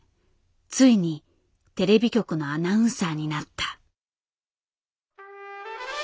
ついにテレビ局のアナウンサーになった。